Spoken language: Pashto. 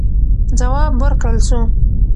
ځواب ورکړل سو.